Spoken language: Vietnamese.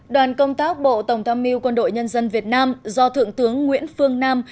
đoàn công tác bộ tổng tham mưu quân đội nhân dân việt nam do thượng tướng nguyễn phương nam